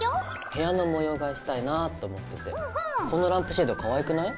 部屋の模様替えしたいなぁと思っててこのランプシェードかわいくない？